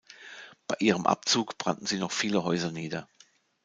Bei ihrem Abzug brannten sie noch viele Häuser nieder.